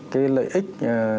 cái lợi ích